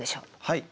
はい。